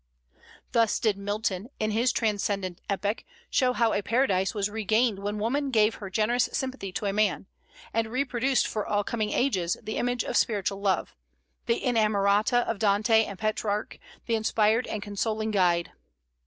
Thus did Milton, in his transcendent epic, show how a Paradise was regained when woman gave her generous sympathy to man, and reproduced for all coming ages the image of Spiritual Love, the inamorata of Dante and Petrarch, the inspired and consoling guide.